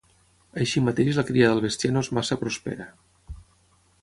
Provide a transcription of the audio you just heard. Així mateix la cria del bestiar no és massa prospera.